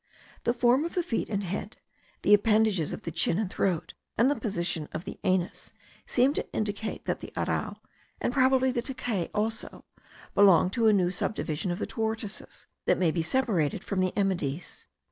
The form of the feet and head, the appendages of the chin and throat, and the position of the anus, seem to indicate that the arrau, and probably the terekay also, belong to a new subdivision of the tortoises, that may be separated from the emydes.